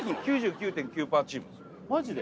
９９．９パーチームですマジで？